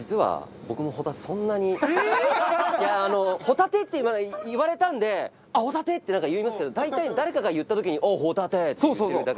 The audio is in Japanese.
ホタテって言われたんで「ホタテ！」ってなんか言いますけど大体誰かが言った時に「ホタテ！」って言ってるだけで。